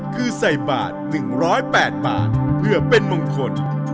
คือใส่บาท๑๐๘บาทเพื่อเป็นมงคล